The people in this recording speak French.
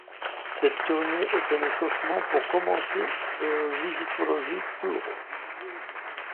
Cette tournée est un échauffement pour commencer le Musicology Tour.